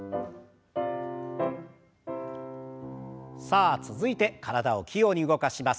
さあ続いて体を器用に動かします。